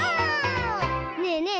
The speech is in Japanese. ねえねえ！